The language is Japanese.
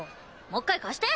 もう一回貸して！